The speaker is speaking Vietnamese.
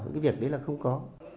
cái việc đấy là không có